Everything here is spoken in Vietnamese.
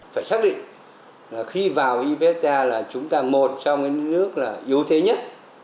phải xác định là khi vào ivfta là chúng ta một trong những nước là yếu thế nhất